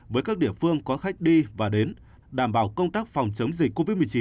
với các địa phương có khách đi và đến đảm bảo công tác phòng chống dịch covid một mươi chín